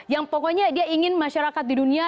yang pokoknya dia ingin masyarakat di dunia